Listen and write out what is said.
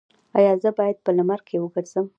ایا زه باید په لمر کې وګرځم؟